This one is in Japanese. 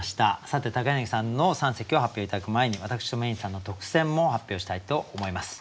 さて柳さんの三席を発表頂く前に私とＭａｙ’ｎさんの特選も発表したいと思います。